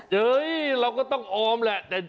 เฮ้ยเราก็ต้องออมแหละ